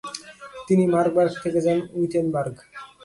তিনি মারবার্গ থেকে যান উইটেনবার্গ।